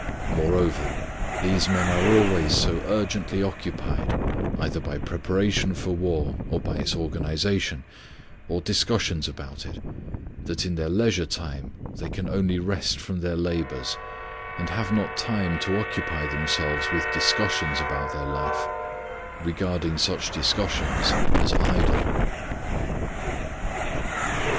Moreover, these men are always so urgently occupied either by preparation for war, or by its organization, or discussions about it, that in their leisure time they can only rest from their labors, and have not time to occupy themselves with discussions about their life, regarding such discussions as idle.